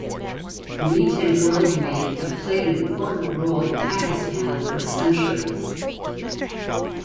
Meat and grilled meat have played an important role in Pakistan for centuries.